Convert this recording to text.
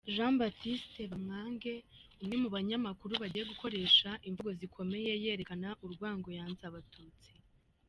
.Jean Batiste Bamwange:Umwe mu banyamakuru bagiye bakoresha imvugo zikomeye yerekana urwango yanze Abatutsi .